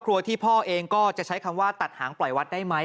ที่พ่อเองก็จะใช้คำว่าตัดหางปล่อยวัดได้ไหม